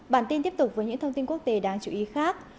bản tin tiếp tục với những thông tin quốc tế đáng chú ý khác